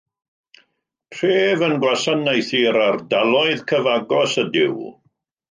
Tref yn gwasanaethu'r ardaloedd cyfagos ydyw.